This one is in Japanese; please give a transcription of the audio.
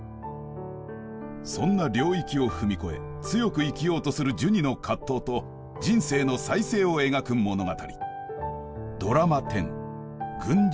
そんな領域を踏み越え強く生きようとするジュニの葛藤と人生の再生を描く物語。